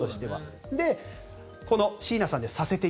この椎名さんです。